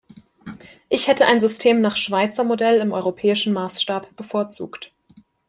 Ich hätte ein System nach Schweizer Modell im europäischen Maßstab bevorzugt.